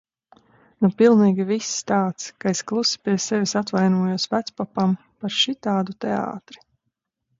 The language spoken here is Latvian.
Nu, pilnīgi viss tāds, ka es klusi pie sevis atvainojos vecpapam par šitādu teātri.